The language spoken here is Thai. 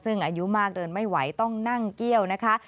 ซึ่งอายุมากเดินไม่ไหวต้องนั่งเกี้ยวนะคะ